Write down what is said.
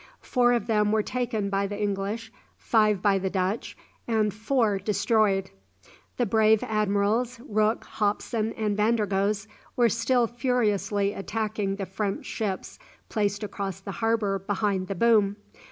Four of them were taken by the English, five by the Dutch, and four destroyed. The brave Admirals Rooke, Hopson, and Vandergoes, were still furiously attacking the French ships placed across the harbour behind the boom.